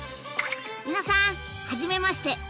皆さんはじめまして！